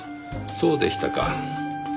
そうでしたか。